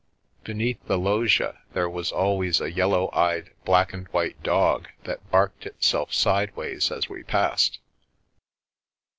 Beneath the loggia there was always a yellow eyed black and white dog that barked itself sideways as we passed.